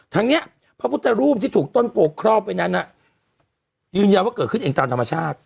ทั้งนี้พระพุทธรูปที่ถูกต้นโพครอบไว้นั้นยืนยันว่าเกิดขึ้นเองตามธรรมชาติ